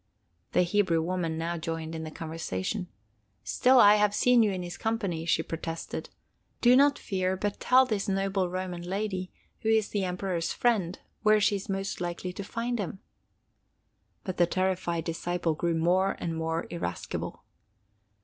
The Hebrew woman now joined in the conversation. "Still I have seen you in his company," she protested. "Do not fear, but tell this noble Roman lady, who is the Emperor's friend, where she is most likely to find him." But the terrified disciple grew more and more irascible.